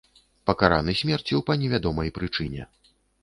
Пакараны смерцю па невядомай прычыне.